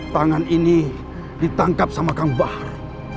tangan ini ditangkap sama kang bahar